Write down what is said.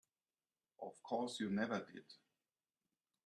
Of course you never did.